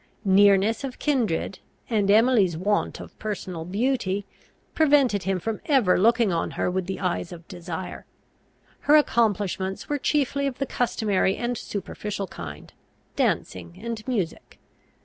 Nearness of kindred, and Emily's want of personal beauty, prevented him from ever looking on her with the eyes of desire. Her accomplishments were chiefly of the customary and superficial kind, dancing and music.